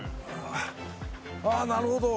あっなるほど。